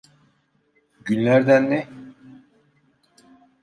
Günlerden ne?